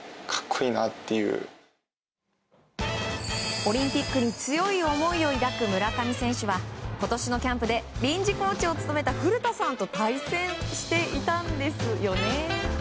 オリンピックに強い思いを抱く村上選手は今年のキャンプで臨時コーチを務めた古田さんと対戦していたんですよね。